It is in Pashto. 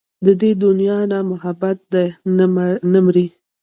د دې دنيا نه محبت دې نه مري